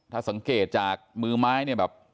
ถ้าสังเกตจากมือไม้เนี่ยแบบ